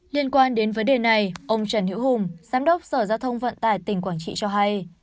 liên quan đến vấn đề này ông trần hiễu hùng giám đốc sở giao thông vận tải tỉnh quảng trị cho hay